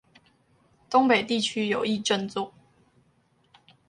東北地區有意振作